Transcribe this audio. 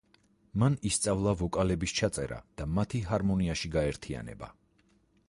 მან ისწავლა ვოკალების ჩაწერა და მათი ჰარმონიაში გაერთიანება.